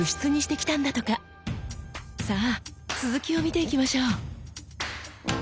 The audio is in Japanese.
さあ続きを見ていきましょう。